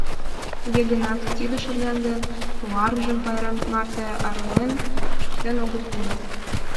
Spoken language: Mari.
Туге гынат, тиде шырдан ден туаражым пайрем марте арален шуктен огыл тудо.